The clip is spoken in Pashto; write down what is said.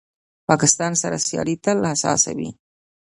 پاکستان سره سیالي تل حساسه وي.